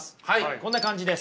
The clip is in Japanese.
こんな感じです。